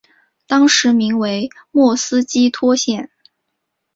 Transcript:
当时名为莫斯基托县。